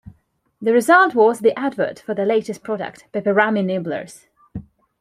The result was the advert for the latest product, Peperami Nibblers.